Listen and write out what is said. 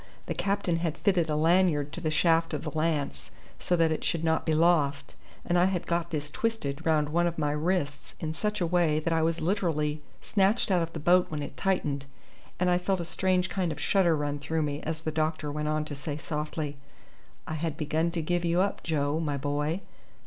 The captain had fitted a lanyard to the shaft of the lance, so that it should not be lost, and I had got this twisted round one of my wrists in such a way that I was literally snatched out of the boat when it tightened; and I felt a strange kind of shudder run through me as the doctor went on to say softly: "I had begun to give you up, Joe, my boy."